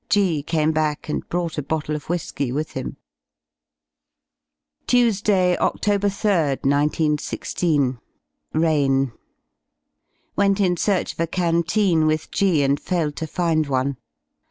G came back and brought a bottle of whisky with him. 72 Tuesday, Oct. 3rd, 19 16. Rain! Went in search of a canteen with G , and failed to find one.